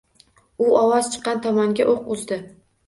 U ovoz chiqqan tomonga o’q uzdi.